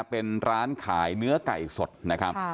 เป็นร้านขายเนื้อไก่สดนะครับ